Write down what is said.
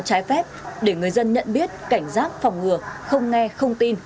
trái phép để người dân nhận biết cảnh giác phòng ngừa không nghe không tin